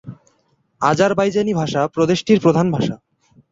Azerbaijani ভাষা প্রদেশটির প্রধান ভাষা।